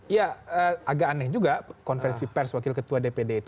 ya agak aneh juga konversi pers wakil ketua dpd itu